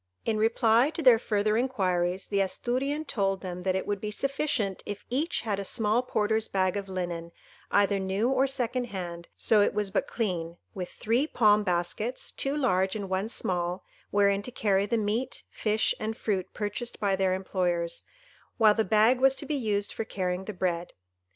In reply to their further inquiries, the Asturian told them that it would be sufficient if each had a small porter's bag of linen, either new or second hand, so it was but clean, with three palm baskets, two large and one small, wherein to carry the meat, fish, and fruit purchased by their employers, while the bag was to be used for carrying the bread.